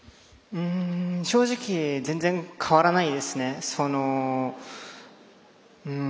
正直、全然変わらないですね。